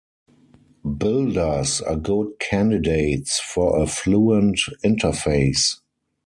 Builders are good candidates for a fluent interface.